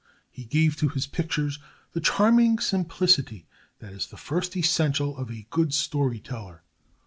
He gave to his pictures the charming simplicity that is the first essential of a good story teller.